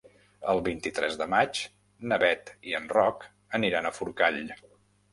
El vint-i-tres de maig na Bet i en Roc aniran a Forcall.